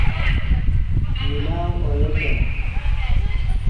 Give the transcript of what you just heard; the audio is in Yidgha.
ملاؤ اویتے